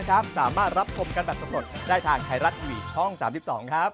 สวัสดีครับทุกคนได้ทานไทรัตว์ทีวีช่อง๓๒ครับ